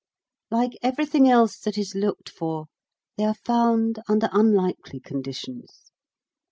Like everything else that is looked for, they are found under unlikely conditions.